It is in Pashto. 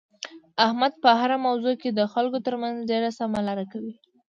احمد په هره موضوع کې د خلکو ترمنځ ډېره سمه لاره کوي.